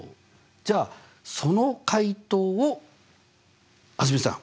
じゃあその解答を蒼澄さん。